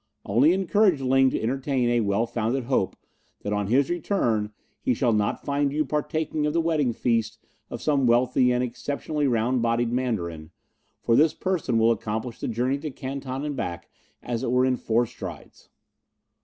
Only encourage Ling to entertain a well founded hope that on his return he shall not find you partaking of the wedding feast of some wealthy and exceptionally round bodied Mandarin, and this person will accomplish the journey to Canton and back as it were in four strides."